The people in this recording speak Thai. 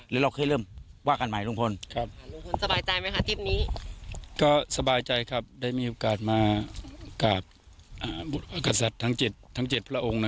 แล้วเราค่อยเริ่มว่ากันใหม่ลุงพล